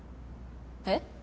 えっ？